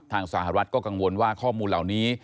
สหรัฐก็กังวลว่าข้อมูลเหล่านี้